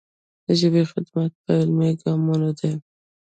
د ژبې خدمت په عملي ګامونو دی.